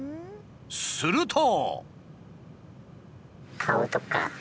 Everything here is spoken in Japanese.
すると。